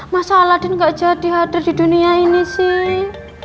masa aladin gak jadi hadir di dunia ini sih